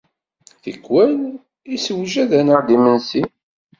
Tikkal, yessewjad-aneɣ-d imensi.